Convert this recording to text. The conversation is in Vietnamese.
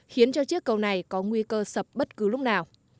khiến cho chiếc cầu này có nguy cơ sập bất cứ lúc nào